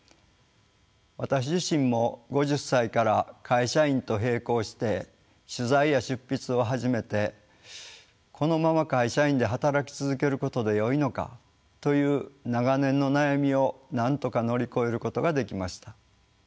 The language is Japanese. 私自身も５０歳から会社員と並行して取材や執筆を始めてこのまま会社員で働き続けることでよいのかという長年の悩みをなんとか乗り越えることができました。